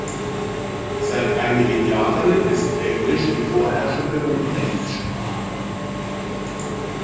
Seit einigen Jahren ist Englisch die vorherrschende Unterrichtssprache.